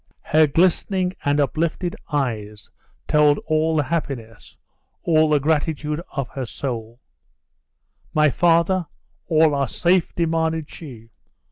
Her glistening and uplifted eyes told all the happiness, all the gratitude of her soul. "My father? All are safe?" demanded she.